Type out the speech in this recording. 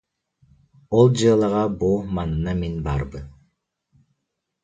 Ол дьыалаҕа бу манна мин баарбын